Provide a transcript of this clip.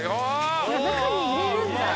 中に入れるんだ。